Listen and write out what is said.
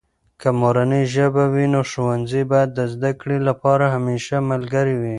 که مورنۍ ژبه وي، نو ښوونځي باید د زده کړې لپاره همیشه ملګری وي.